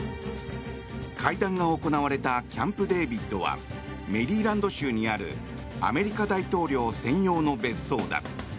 会談が行われたキャンプデービッドはメリーランド州にあるアメリカ大統領専用の別荘だ。